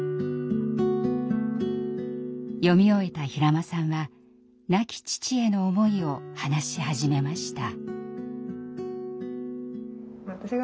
読み終えた平間さんは亡き父への思いを話し始めました。